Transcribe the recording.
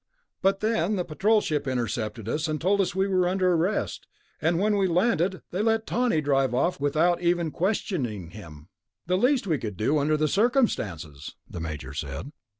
"But then the Patrol ship intercepted us and told us we were under arrest. And when we landed, they let Tawney drive off without even questioning him." "The least we could do, under the circumstances," the Major said.